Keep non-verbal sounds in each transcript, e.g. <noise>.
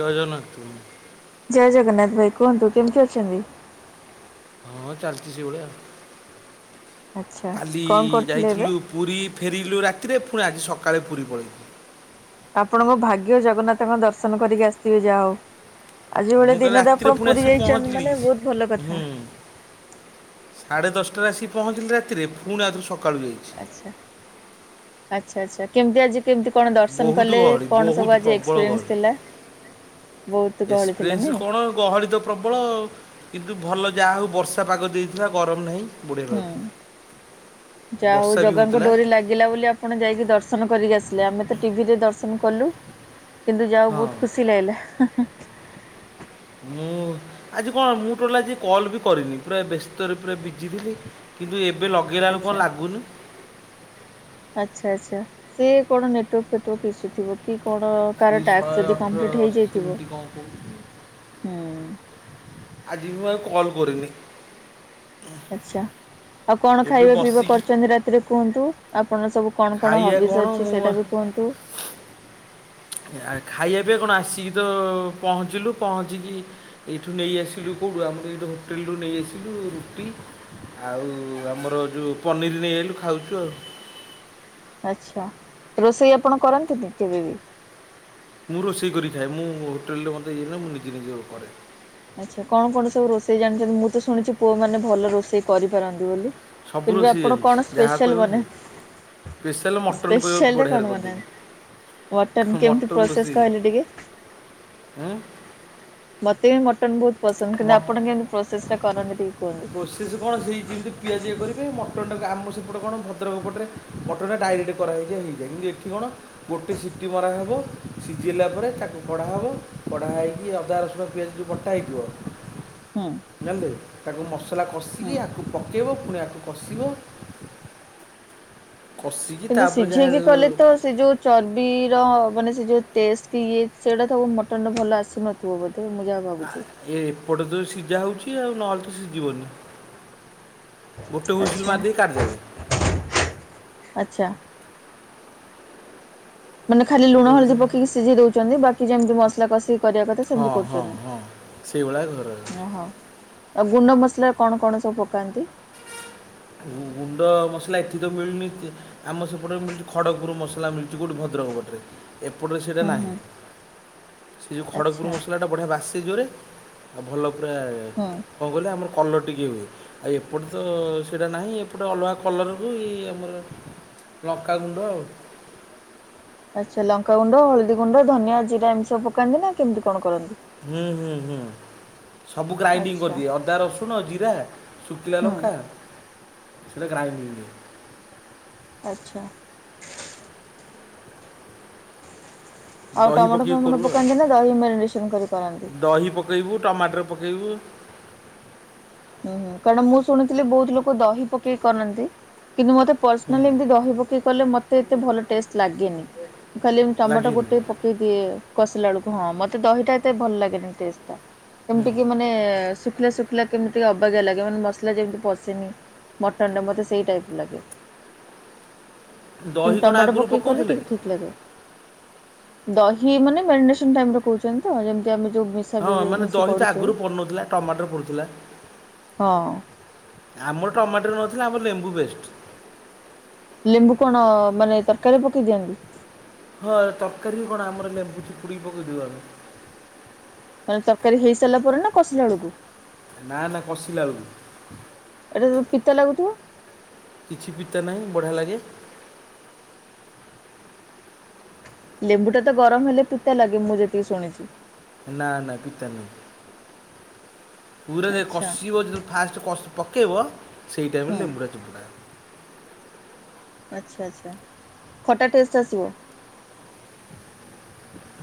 ଜୟ ଜଗନ୍ନାଥ। ଜୟ ଜଗନ୍ନାଥ ଭାଇ କୁହନ୍ତୁ କେମିତି ଅଛନ୍ତି? ହଁ ଚାଲିଚି ସେଇଭଳିଆ ଆଉ ଆଚ୍ଛା କାଲି କଣ କରୁଥିଲେ ଏବେ? ଯାଇଥିଲୁ। ପୁରୀ ଫେରିଲୁ ରାତିରେ ଫୁଣି ଆଜି ସକାଳେ ପୁରୀ ପଳେଇଲୁ। ଆପଣଙ୍କ ଭାଗ୍ୟ ଜଗନ୍ନାଥଙ୍କ ଦର୍ଶନ କରିକି ଆସିଥିବେ ଯା ହଉ। ଆଜି ଭଳି ମୁଁ କାଲି ଦିନରେ ରାତିରେ ଆପଣ ପୁଣି ପୁରୀ ଆସିକି ଯାଇଚନ୍ତି ପହଞ୍ଚିଲି ମାନେ ବହୁତ ଭଲ ହୁଁ କଥା। ସାଢ଼େ ଦଶଟାରେ ଆସିକି ପହଞ୍ଚିଲି ରାତିରେ ପୁଣି ଆଉ ଥରେ ସକାଳୁ ଯାଇ ଆଚ୍ଛା ଆଚ୍ଛା ଆଚ୍ଛା କେମିତି ଆଜି କେମିତି କଣ ଦର୍ଶନ ବହୁତ କଲେ ଗହଳି କଣ ବହୁତ ସବୁ ଆଜି ପ୍ରବଳ ଏକ୍ସପିରିଏନ୍ସ ଗହଳି ଥିଲା? ବହୁତ ଗହଳି ଥିଲା ନାଇଁ? ହଁ ଗହଳି ତ ପ୍ରବଳ କିନ୍ତୁ ଭଲ ଯାହା ହଉ ବର୍ଷା ପାଗ ଦେଇଥିଲା ଗରମ ନାହିଁ। ବଢ଼ିଆ ହୁଁ ଲାଗୁଥିଲା ଯା ହଉ ବର୍ଷା ବି ଜଗାଙ୍କ ହେଉଥିଲା ଡୋରି ଲାଗି ଲାଗିଲା ବୋଲି ଆପଣ ଯାଇକି ଦର୍ଶନ କରିକି ଆସିଲେ ଆମେ ତ ଟିଭିରେ ଦର୍ଶନ କଲୁ। କିନ୍ତୁ ଯା ହଉ ହଁ ବହୁତ ଖୁସି ଲାଗିଲା। ମୁଁ ଆଜି କଣ ମୁଁ ଟୋଟାଲ ଆଜି କଲ୍ ବି କରିନି ପୁରା ବ୍ୟସ୍ତରେ ପୁରା ବିଜି ଥିଲି। କିନ୍ତୁ ଏବେ ଲଗେଇଲା ବେଳକୁ କଣ ଆଚ୍ଛା। ଲାଗୁନି। ଆଚ୍ଛା ଆଚ୍ଛା ସେ କଣ ନେଟୱାର୍କ ଫେଟୱାର୍କ ଇସୁ ଥିବ କି କଣ। କାହାର କି ଟାସ୍କ ଶହେ ଯଦି ଅଠର କମ୍ପ୍ଲିଟ୍ ଅଶୀ ହେଇଯାଇଥିବ। ମିନିଟି କଣ କହୁଚି। ହୁଁ ଆଜି ମୁଁ ଆଉ କଲ୍ କରିନି। ଆଚ୍ଛା ଆଉ କଣ ଏବେ ଖାଇବା ପିଇବା ବସିକି କରିଚନ୍ତି ରାତିରେ କୁହନ୍ତୁ ଆପଣ ସବୁ? କଣ କଣ ଖାଇବା ହବିଜ୍ ଅଛି ମୁଁ ଆ, ସେଟା ବି କୁହନ୍ତୁ? ଆ ଖାଇଆ ପାଇଁ କଣ ଆସିକି ତ ପହଞ୍ଚିଲୁ ପହଞ୍ଚିକି ଏଇଠୁ ନେଇ ଆସିଲୁ କୋଉଠୁ ଆମର ଏ ହୋଟେଲରୁ ନେଇ ଆସିଲୁ ରୁଟି ଆଉ ଆମର ଯୋଉ ପନିର ନେଇ ଆଇଲୁ ଖାଉଚୁ ଆଉ। ଆଚ୍ଛା ରୋଷେଇ ଆପଣ କରନ୍ତିନି କେବେ ବି? ମୁଁ ରୋଷେଇ କରିକି ଖାଏ ମୁଁ ହୋଟେଲ ରେ ମୋତେ ଇଏ ନୁହେଁ ମୁଁ ନିଜେ ନିଜେ କରେ। ଆଚ୍ଛା କଣ କଣ ସବୁ ରୋଷେଇ ଜାଣିଚନ୍ତି ମୁଁ ତ ଶୁଣିଚି ପୁଅ ମାନେ ଭଲ ରୋଷେଇ କରିପାରନ୍ତି ବୋଲି। ସବୁ ଫିର୍ବି ରୋଷେଇ ଆପଣ ଜାଣିଛି କଣ ଯାହା ସ୍ପେଶାଲ କହିବ ସେ ବନାନ୍ତି? ସ୍ପେଶାଲ ମଟନ୍ କହିବ ସ୍ପେଶାଲରେ ବଢ଼ିଆରେ କଣ କରିଦେବି ବନାନ୍ତି? ମଟନ୍ କେମିତି ମଟନ୍ ପ୍ରୋସେସ ରୋଷେଇ କହିଲେ ଟିକେ? ହୁଁ। ମତେ ବି ମଟନ୍ ବହୁତ ପସନ୍ଦ, କିନ୍ତୁ ଆପଣ କେମିତି ପ୍ରୋସେସ ଟା କରନ୍ତି ଟିକେ କୁହନ୍ତୁ? ସେ କଣ ହେଇ ଯେମିତି ପିଆଜ ଇଏ କରିକି ମଟନଟାକୁ ଆମ ସେପଟେ କଣ ଭଦ୍ରକ ପଟରେ ମଟନ୍ ଟା ଡାଇରେକ୍ଟ କରାଯାଏ <unintelligible> କିନ୍ତୁ ଏଠି କଣ ଗୋଟେ ସିଟି ମରା ହବ ସିଝିଲା ପରେ ତାକୁ କଢ଼ା ହବ କଢା ହେଇକି ଅଦା ରସୁଣ ପିଆଜକୁ ବଟ ବଟା ହେଇଥିବ। ହୁଁ। ଜାଣିଲକି ତାକୁ ମସଲା ହୁଁ। କଷିକି ଆକୁ ପକେଇବ ପୁଣି ଆକୁ କଷିବ। କଷିକି କିନ୍ତୁ ତାପରେ ଯାହା ସିଝେଇକି କଲେ ତ ସେ ଯୋଉ ଚର୍ବିର ମାନେ ସେ ଯେଉଁ ଟେଷ୍ଟ କି ଇଏ ସେଇଟା ତ ଆଉ ମଟନ୍ ରେ ଭଲ ଆସିନଥିବ ବୋଧେ ମୁଁ ଯାହା ଭାବୁଛି ଏପଟ ତ ସିଝା ହେଉଛି ଆଉ ନହେଲେ ତ ସିଝିବନି। ଗୋଟେ ହୁଇସିଲ ମାରି ଦେଇକି କାଢ଼ିଦେବେ। ଆଛା। ମାନେ ଖାଲି ଗୋଟେ ଲୁଣ ହଳଦୀ ପକେଇକି ହୁଇସିଲ୍ ସିଝେଇ ଦୋଉଚିନ୍ତି ବାକି ଯେମିତି ମସଲା କଷିକି କରିବା କଥା ହଁ ସେମିତି ହଁ ହଁ ସେଇଭଳିଆ ଘର କରୁଚନ୍ତି ଓହୋ। ଆଉ ଗୁଣ୍ଡ ମସଲା କଣ କଣ ସବୁ ପକାନ୍ତି? ଗୁଣ୍ଡ ମସଲା ଏଠି ତ ମିଳୁନିସେ ଆମ ସେପଟେ ମିଳୁଛି ଖଡ଼ଗପୁରୁ ମସଲା ମିଳୁଛି କୋଉଠି ଭଦ୍ରକ ପଟରେ। ଏପଟରେ ସେଇଟା ହୁଁ ନାହିଁ ହୁଁ ସେ ଯୋଉ ଖଡ଼ଗପୁର ଆଚ୍ଛା ମସଲା ସେଟା ବଢ଼ିଆ ବାସେ ଜୋରେ ଆଉ ଭଲ ପୁରା ହୁଁ। କଣ କହିଲେ ଆମର କଲର୍ ଟିକେ ହୁଏ ଆଉ ଏପଟେ ତ ସେଇଟା ନାହିଁ ଏପଟେ ଅଲଗା କଲରକୁ ଇ ଆମର ଲଙ୍କାଗୁଣ୍ଡ ଆଉ ଆଛା ଲଙ୍କାଗୁଣ୍ଡ ହଳଦୀ ଗୁଣ୍ଡ ଧନିଆ ଜିରା ଏମି ସବୁ ପକାନ୍ତି ନା କେମିତି କଣ କରନ୍ତି? ହୁଁ ହୁଁ ହୁଁ ସବୁ ଗ୍ରାଇଣ୍ଡିଙ୍ଗ ଆଚ୍ଛା କରିଦିଏ ଅଦା ରସୁଣ ଆଉ ଜିରା ସୁକିଲା ହୁଁ। ଲଙ୍କା ସେଇଟା ଗ୍ରାଇଣ୍ଡକି ହୁଏ ଆଛା। ଆଉ ଦହି ଟମାଟୋ ପକେଇକି ଫମୋଟୋ କରୁ ଆଉ ପକାନ୍ତି ନା ଦହି ମୋରିନେସନ କରି କରନ୍ତି? ପକାଇବୁ ଟମାଟର ପକାଇବୁ। ହୁଁ ହୁଁ କାରଣ ମୁଁ ଶୁଣିଥିଲି ବୋହୁତ ଲୋକ ଦହି ପକେଇକି କରନ୍ତି କିନ୍ତୁ ମତେ ହୁଁ, ପର୍ସନାଲି ଏମିତି ଦହି ପକେଇ କଲେ ମତେ ଏତେ ଭଲ ତେଷ୍ଟେ ଲାଗେନି ଖାଲି ଟମାଟୋ ଲାଗିନି ଗୋଟେ ପ ପକେଇଦିଏ କଷିଲା ବେଳକୁ ହଁ ମତେ ଦହିଟା ଏତେ ଭଲ ଲାଗେନି ଟେଷ୍ଟ ଟା ହୁଁ। କେମିତି କି ମାନେ ଶୁଖିଲା ଶୁଖିଲା କେମିତି ଅବାଗିଆ ଲାଗେ ମାନେ ମସଲା ଯେମିତି ପଶିନି ମଟନରେ ମତେ ସେଇ ଟାଇପ ଲାଗେ। <inaudible> କିନ୍ତୁ କ'ଣ ଟମାଟୋ ଆଗରୁ ପକେଇି କଲେ ପକାଉଥିଲେ ଟିକେ ଠିକ୍ ଲାଗେ। ଦହି ମାନେ ମ୍ୟାରନେସନ ଟାଇମରେ କୋହୁଚନ୍ତି ତ ଯେମିତି ଆମେ ଯୋଉ ମି ହଁ ମାନେ ଦହି ତ ଆଗରୁ ପଡ଼ୁନଥିଲା ଟମାଟର ପଡ଼ୁଥିଲା। ହଁ। ଆମର ଟମାଟର ନଥିଲା ଆମର ଲେମ୍ବୁ ବେଷ୍ଟ। ଲେମ୍ବୁ କଣ ମାନେ ତରକାରୀ ପକେଇ ଦିଅନ୍ତି? ହଁ ତରକାରୀ ବି କଣ ଆମର ଲେମ୍ବୁ ଚିୁଡ଼ି ପକେଇଦୋଉ ଆମେ। ମାନେ ତରକାରୀ ହେଇ ସାରିଲା ପରେ ନା କସିଲା ବେଳକୁ? ନା ନା କସିଲା ବେଳକୁ। ଏଇଟା ତୋ ପିତା ଲାଗୁଥିବ? କିଛି ପିତା ନାହିଁ ବଢ଼ିଆ ଲାଗେ। ଲେମ୍ବୁ ଟା ତ ଗରମ ହେଲେ ଫିତା ଲାଗେ ମୁଁ ଯେତିକି ଶୁଣିଛି। ନା ନା ପିତା ନାଁହି ପୁର ଦେ ଆଚ୍ଛା କଷିବ ଯେ ଫାଷ୍ଟ ପ ପକେଇବ ସେଇ ଟାଇମ୍ ରେ ହୁଁ ଲେମ୍ବୁଟା ଚିପୁଢ଼ା ହବ। ଆଛା ଆଛା ଖଟା ଟେଷ୍ଟ ଆସିବ?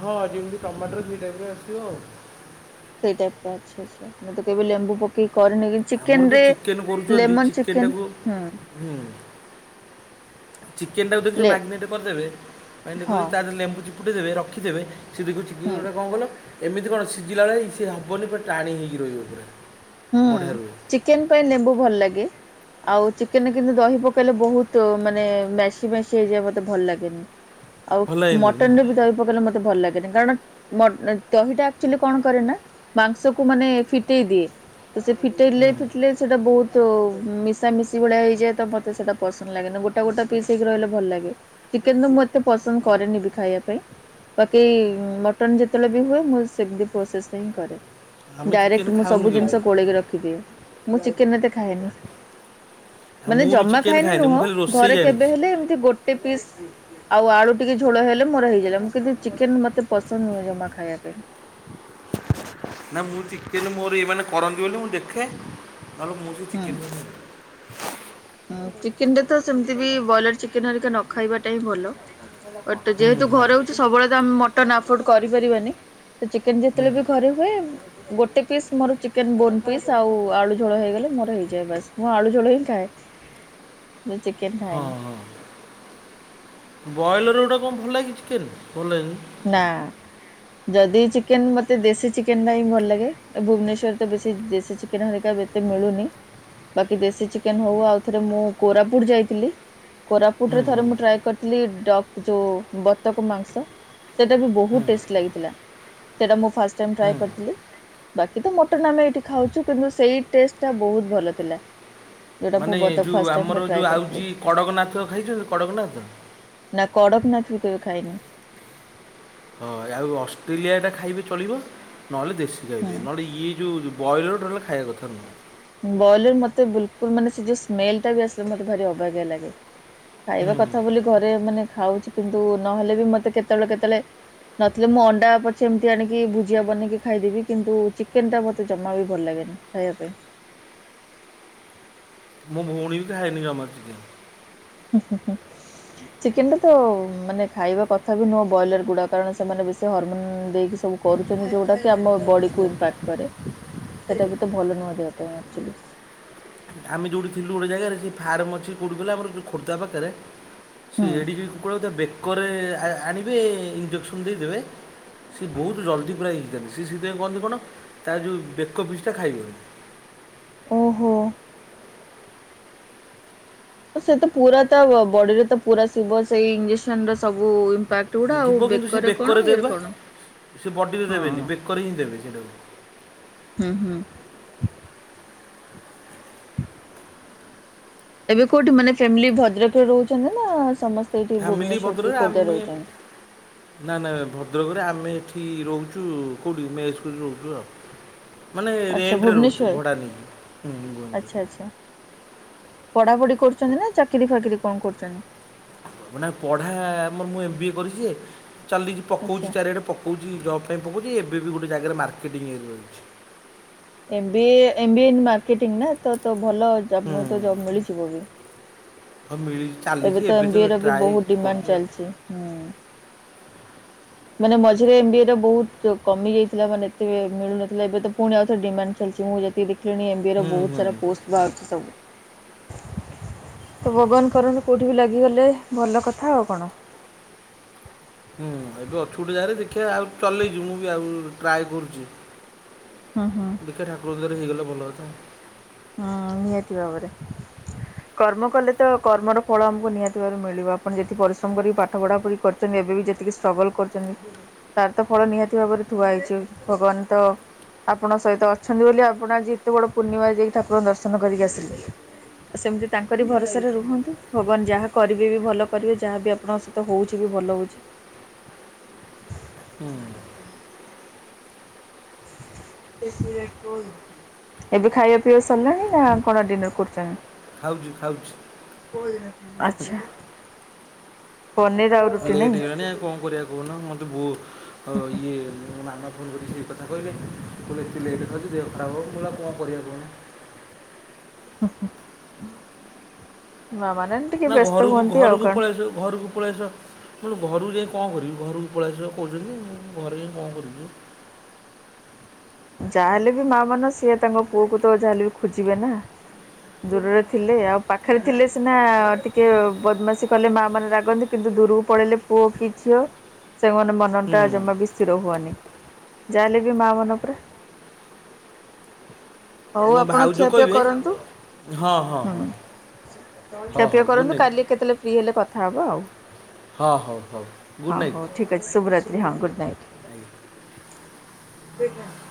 ହଁ ଯେମିତି ଟମାଟର ସେଇ ଟାଇପ୍ ଆସଥିବ ଆଉ। ସେଇ ଟାଇପ୍ ର ଆଛା ଆଛା ମୁଁ ତ କେବେ ଲେମ୍ବୁ ପକେଇ କରିନି କି ଆମର ଚିକେନ ଯେଉଁ ରେ ଚିକେନ୍ କରୁଛନ୍ତି ଲେମନ ଚିକେନ୍ଟାକୁ ଚିକେନ ହୁଁ। ହୁଁ। ଚିକେନ ଟାକୁ ଦେଖିବେ ଲେ ମ୍ୟାରିନେଟ୍ କରିଦେବେ ମ୍ୟାରିନେଟ୍ ହଁ କରି ତାଦେହରେ ଲେମ୍ବୁ ଚିପୁଡି ଦେବେ ରଖିଦେବେ। ସେଖଟେ ହୁଁ। କଣ ଗଲ ଏମିତି କଣ ସିଝିଲା ବେଳେ ଇ ସେ ହବନି ପୁରା ଟାଣି ହେଇକି ରହିବ ପୁରା। ହୁଁ ବଢ଼ିଆ ରୁହେ ଚିକେନ ପାଇଁ ଲେମ୍ଵୁ ଭଲ ଲାଗେ। ଆଉ ଚିକେନରେ କିନ୍ତୁ ଦହି ପକେଇଲେ ବହୁତ ମାନେ ମେସି ମେସି ହେଇଯିବା ମତେ ଭଲ ଲାଗେନି। ଆଉ ଭଲ ହେଇନି ନା ମଟନ ରେ ବି ଦହି ପକେଇଲେ ମ ମତେ ଭଲ ଲାଗେନି କାରଣ ଦହିଟା ଆକ୍ଚୁଆଲି କଣ କରେ ନା ମାଂସକୁ ମାନେ ଫିଟେଇ ଦିଏ ତ ସେ ଫିଟେଇଲେ ଫିଟେ ସେଇଟା ବହୁତ ମିଶାମିଶି ଭଳିଆ ହେଇଯାଏ ତ ମୋତେ ସେଇଟା ପସନ୍ଦ ଲାଗେନି ଗୋଟା ଗୋଟେ ପିସ୍ ହେଇକି ରହିଲେ ଭଲ ଲାଗେ। ଚିକେନ ତ ମୁଁ ଏତେ ପସନ୍ଦ କରେନି ବି ଖାଇବା ପାଇଁ। ବାକି ମଟନ୍ ଯେତେବେଳେ ବି ହୁଏ ମୁଁ ସେମିତି ପ୍ରୋସେସ ହିଁ କରେ। ଆମେ ଚିକେନ ଡାଇରେକ୍ଟ ମୁଁ ଖାଉନୁ ସବୁ କେବେ ଜିନିଷ ଗୋଳେଇକି ରଖିଦିଏ ମୁଁ ଚିକେନ ଏତେ ଖାଏନି। ଆଉ ମାନେ ମୁଁ ବି ଜମା ଚିକେନ ଖାଇନି ଖାଏନି ମୁଁ ନୁହଁ ଖାଲି ରୋଷେଇ ଘରେ କେବେ ଜାଣିଛି ହେଲେ ଏମିତି ଗୋ ଗୋଟେ ପିସ୍ ଆଉ ଆଳୁ ଟିକେ ଝୋଳ ହେଲେ ମୋର ହେଇଗାଲା କିନ୍ତୁ ଚିକେନ ମତେ ପସନ୍ଦ ନୁହେଁ ଜମା ଖାଇବାକୁ। <inaudible> ନା ମୁଁ ଚିକେନ ମୋର ଏଇ ମାନେ କରନ୍ତି ବୋଲି ମୁଁ ଦେଖେ ନହେଲେ ମୁଁ ସେ ଚିକେନ ହଁ ଚିକେନ ଟାତ ସେମିତି ବି ବ୍ରଏଲର ଚିକେନ ହେରିକା ନ ଖାଇବାଟା ହିଁ ଭଲ। ଟେ ହୁଁ ଯେହେତୁ ହୁଁ ଘରେ ହଉଛି ସବୁବେଳେ ତ ଆମେ ମଟନ୍ ଆଫୋର୍ଡ କରିପାରିବାନି। ତ ଚିକେନ ଯେତେବେଳେ ବି ଘରେ ହୁଏ ଗୋଟେ ପିସ୍ ମୋର ଚିକେନ ବୋନ୍ ପିସ୍ ଆଉ ଆଳୁ ଝୋଳ ହେଇଗଲେ। ମୋର ହେଇଯାଏ ବାସ୍ ମୁଁ ଆଳୁ ଜୋଳ ହିଁ ଖାଏ। ଚିକେନ୍। ହଁ ହଁ ବ୍ରଏଲର୍ ଗୁଡ଼ା କଣ ଭଲ ଲାଗେ କି ଚିକେନ୍ ଭଲ ଲାଗେନି। ନା। ଯଦି ଚିକେନ ମତେ ଦେଶୀ ଚିକେନଟା ହିଁ ଭଲ ଲାଗେ ଭୁବନେଶ୍ୱରରେ ବେଶୀ ଦେଶୀ ଚିକେନ। ଚିକେନ ହେରିକା ବି ଏତେ ମିଳୁନି। ବାକି ଦେଶୀ ଚିକେନ ହଉ ଆଉ ଥରେ ମୁଁ କୋରାଫୁଟ ଯାଇଥିଲି କୋରାଫୁଟ ହୁଁ ରେ ହୁଁ ଥରେ ମୁଁ ଟ୍ରାଏ କରିଥି ଲି ଡକ୍ ଯେଉଁ ବତକ ମାଂସ। ସେଇଟା ବି ବହୁତ ଟେଷ୍ଟ ଲାଗିଥିଲା ସେଇଟା ମୁଁ ଫାଷ୍ଟ ଟାଇମ ଟ୍ରାଏ ହୁଁ କରିଥିଲି। ବାକି ତ ମଟନ୍ ଆମେ ଏଇଠି ଖାଉଛୁ କିନ୍ତୁ ସେଇ ଟେଷ୍ଟ ଟା ବହୁତ ଭଲ ଥିଲା। ଯେଉଁଟା ମୁଁ ମାନେ ବତକ ଯେଉଁ ଫାଷ୍ଟ ଟାଇମ୍ ପାଇଁ ଆମର ଟ୍ରାଏ ଯେଉଁ କରିଥିଲି ଆଉଚି କଡ଼କନାଥ ଖାଇଛନ୍ତି କଡ଼କନାଥ। ନା କଡ଼କନାଥ ବି ମୁଁ କେବେ ଖାଇନି। ହଁ ଆଉ ଅଷ୍ଟ୍ରେଲିଆଟା ଖାଇବେ ଚଳିବ ନହେଲେ ଦେଶୀ ଖାଇବେ ହୁଁ ନହେଲେ ଇଏ ଯେଉଁ। ବ୍ରଏଲର ଟୋଟାଲି ଖାଇବା କଥା ନୁହେଁ। ବ୍ରଏଲର ମତେ ବିଲକୁଲ ମାନେ ସେ ଯୋଉ ସ୍ମେଲ ଟା ବି ଆସେ ମତେ ଭାରି ଅବାଗିଆ ଲାଗେ। ଖାଇବା ହୁଁ କଥା ବୋଲି ଘରେ ମାନେ ଖାଉଛି କିନ୍ତୁ ନହେଲେ ବି ମତେ କେତେବେଳେ କେତେବେଳେ। ନଥିଲେ ମୁଁ ଅଣ୍ଡା ପଛେ ଏମିତି ଆଣିକି ଭୁଜିଆ ବନେଇକି ଖାଇଦେବି କିନ୍ତୁ ଚିକେନଟା ମୋତେ ଜମା ବି ଭଲ ଲାଗେନି। ଖାଇବା ପାଇଁ। ମୋ ଭଉଣୀ ବି ଖାଏନି ଜମାରୁ ଚିକେନ। ହୁଁ ହୁଁ ହୁଁ। ଚିକେନ ଟା ତ ମାନେ ଖାଇବା କଥା ବି ନୁହଁ ବ୍ରଏଲର ଗୁଡା କାରଣ ସେମାନେ ବେଶୀ ହରମୋନ ଦେଇକି। ଏ ସବୁ କରୁଛନ୍ତି ଯେଉଁଟାକି ଆମ ବଡ଼ିକୁ ଇମ୍ପାକ୍ଟ। କରେ ସେଟା ବି ତ ଭଲ ନୁହଁ ଦେହ ପାଇଁ ଆଚୁଲି। ଆମେ ଯେଉଁଠି ଥିଲୁ ଗୋଟେ ଜାଗାରେ ଫାର୍ମଅଛି କେଉଠୁ କହିଲ ଯୋ ଆମର ଖୋର୍ଦ୍ଧା ପାଖରେ। ସେ ହୁଁ ଏଡ଼ିକି କୁକୁଡ଼ାକୁ ତା ବେକରେ ଆଣିବେ ଇଞ୍ଜେକ୍ସନ୍ ଦେଇଦେବେ। ସିଏ ବହୁତ ଜଲ୍ଦି ପୁରା ହେଇଥାନ୍ତି ସିଏ ସେଇଥିପାଇଁ କହନ୍ତି କଣ ତା ଯଉବେକ ପିସ୍ ଟା ଖାଇବେନି। ଓହୋ ଏ ସେତ ପୁରା ତା ବ ବଡିରେ ତ ପୁରା ଶିବ ସେଇ ଇଞ୍ଜେକ୍ସନ ର ସବୁ ଇମ୍ପାକ୍ଟ ଗୁଡା ଆଉ ଯିବ କିନ୍ତୁ ସେ କଣ ବେକରେ ଇଏରେ ଦେବେ କଣ ପା ସେ ବଡିରେ ହଁ ଦେବେନି ବେକରେ ହିଁ ଦେବେ ସେଟାକୁ। ହୁଁ ହୁଁ ଏବେ କୋଉଠି ମାନେ ଫ୍ୟାମିଲି ଭଦ୍ରକରେ ରହୁଚନ୍ତି ନା ସମସ୍ତେ ଏଇଠି ଫ୍ୟାମିଲି ଭୁବନେଶ୍ଵର କି ଭଦ୍ରକରେ ଖୋର୍ଦ୍ଧା ଆମେ ରହୁଛନ୍ତି। ନା ନା ଭଦ୍ରକରେ ଆମେ ଏଠି ରହୁଚୁ କଉଠି ମେସ କରି ରହୁଚୁ ଆଉ। ମାନେ ଆଚ୍ଛା ରେଣ୍ଟ ରେ ରହୁଚୁ ଭୁବନେଶ୍ଵର ଭଡା ନେଇକି। ଆଚ୍ଛା ଆଚ୍ଛା। ପଢାପଢି କରୁଚନ୍ତି ନା ଚାକିରି ଫାକିରି କଣ କରୁଚନ୍ତି? ନା ପଢା ମୁଁ ମୋ ଏମ୍ ବିଏ କରିଚିଏ ଚାଲିଚି ଆଚ୍ଛା। ପକଉଚି ଚାରିଆଡେ ପ ପକଉଚି ଜବ ପାଇଁ ପକଉଚି ଏବେ ବି ଗୋଟେ ଜାଗାରେ ମାର୍କେଟିଂ ଏରିଅର ଅଛି। M B A, M B A marketing ନା ତ ତ ଭଲ ଜବ <unintelligible> ମିଳିଯିବ ବି। ହ ମିଳିଯି ଏବେ ତ ଏମବିଏ ର ବି ବହୁତ ଡିମାଣ୍ଡ ଚାଲିଚି ହୁଁ। ମାନେ ମଝିରେ ଏମବିଏ ର ବହୁତ କମି ଯାଇଥିଲା ମାନେ ଏତେ ବି ମିଳୁନଥିଲା ଏବେ ତ ପୁଣି ଆଉ ଥରେ ଡିମାଣ୍ଡ ଚାଲିଛି ମୁଁ ଯେତିକି ଦେଖିଲିଣି ଏମବିଏ ର ହୁଁ ବହୁତ ହୁଁ ସାରା ପୋଷ୍ଟ ବାହାରୁଚି ସବୁ। ତ ଭଗବାନ କରନ୍ତୁ କେଉଠି ବି ଲାଗିଗଲେ ଭଲ କଥା ଆଉ କଣ। ହୁଁ ଏବେ ଅଛୁ ଗୋଟେ ଯାଗାରେ ଦେଖିଆ ଆଉ ଚଲେଇଚି ମୁଁ ବି ଆଉ ଟ୍ରାଏ କରୁଚି। ହୁଁ ହୁଁ ଠାକୁରଙ୍କ ଦୟାରେ ହେଇଗଲେ ଭଲ କଥା। ହୁଁ ନିହାତି ଭାବରେ କର୍ମ କଲେ ତ କର୍ମର ଫଳ ଆମକୁ ନିହାତିି ଭାବରେ ମିଳିବ ଆପଣ ଯେତିିକି ପରିଶ୍ରମ କରିକି ପାଠ ପଢା ପଢି କରି ଚନ୍ତି ଏବେ ବି ଯେତିକି ଷ୍ଟ୍ରଗଲ କରୁଚନ୍ତି ତାର ତ ଫଳ ନିହାତି ଭାବରେ ଥୁଆ ହେଇଚି ଭଗବାନ ତ ଆପଣ ସହିତ ଅଛନ୍ତି ବୋଲି ଆପଣ ଆଜି ଏତେ ବଡ ପୂର୍ଣ୍ଣିମାରେ ଯାଇକି ଠାକୁରଙ୍କ ଦର୍ଶନ କରିକି ଆସିଲେ। ସେମିତି ତାଙ୍କରି ଭରସାରେ ରୁହନ୍ତୁ ଭଗବାନ ଯାହା କରିବେ ବି ଭଲ କରିବେ ଯାହାବି ଆପଣ ହଉଚି ବି ଭଲ ହଉଚି। ଏ ଥିରେ କଁ ଏବେ ଖାଇବା ପିଇବା ସରିଲାଣି ନା କଣ ଡିନର କରୁଚ? ଖାଉଚୁ ଖାଉଚି। ଆଚ୍ଛା ପନିର ଆ ଲେଟ୍ ହେଇଗଲାନି ଆଉ କଁଅ କରିବା କହୁନ ମତେ ବହୁତ ଅ ଇଏ ମାମା ଫୋନ୍ କରିକି ସେଇ କଥା କହିଲେ କଇଲେ ଏତେ ଲେଟରେ ଖାଉଚୁ ଦେହ ଖରାପ ହେବ ମୁଁ କଇଲି ଆଉ କଣ କରିବା କୁହନି। ହୁଁ ହୁଁ ମା ମାନାନି ନା ଘରୁକୁ ଘରୁକୁ ପଳେଇ ଆସିବ ଘରୁକୁ। ପଳେଇଆସ ମୁଁ କଇଲି ଘରୁକୁ ଯାଇ କଁ କରିବି ଘରକୁ ପଳେଇଆସ କହୁଚନ୍ତି ମୁଁ ଘରେ ଯାଇ କଁ କରିବି। ଯାହା ହେଲେ ବି ମା ମନ ସିଏ ତାଙ୍କ ପୁଅକୁ ତ ଯାହେଲେ ବି ଖୋଜିବେ ନା। ଦୂରରେ ଥିଲେ ଆଉ ପାଖରେ ଥିଲେ ସିନା ଟିକେ ବଦମାସି କଲେ ମା ମାନେ ରାଗନ୍ତି। କିନ୍ତୁ ଦୂରୁକୁ ପଳେଇଲେ ପୁଅ କି ଝିଅ ସେମ ମ ନ ଟା ଜମା ବି ସ୍ଥିର ହୁଅନି ଯାଆ ଏଲେ ବି ମା ମନ ପରା। ହଉ ଆମ ଆପଣ ଭାଉଜ ଖିଆପିଆ କହିବେ କରନ୍ତୁ। ହଁ ହଁ ହୁଁ। ହଁ ହଁ ଖିଆପିଆ ହଉ ଗୁଡ଼୍ କରନ୍ତୁ ନାଇଟ୍ କାଲି କେତେଲେ ଫ୍ରି ହେଲେ କଥା ହବ ଆଉ। ହଁ ହଉ ହଉ ଗୁଡ୍ ନାଇଟ୍। ଏ ଶୁଭରାତ୍ରି ହଁ ଗୁଡ ନାଇଟ। ଆଂଜ୍ଞା। ଏବେକାହିଁ?